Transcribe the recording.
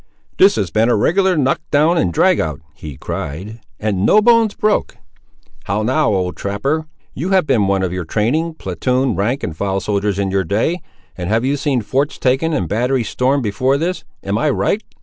"This has been a regular knock down and drag out," he cried, "and no bones broke! How now, old trapper, you have been one of your training, platoon, rank and file soldiers in your day, and have seen forts taken and batteries stormed before this—am I right?"